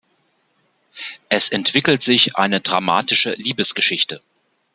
Es entwickelt sich eine dramatische Liebesgeschichte.